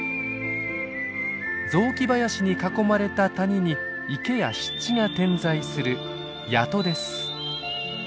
雑木林に囲まれた谷に池や湿地が点在する「谷戸」です。